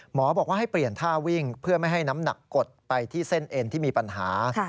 หมอบอกว่าให้เปลี่ยนท่าวิ่งเพื่อไม่ให้น้ำหนักกดไปที่เส้นเอ็นที่มีปัญหา